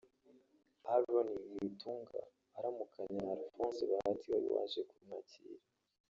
Aaron Nitunga aramukanya na Alphonse Bahati wari waje kumwakira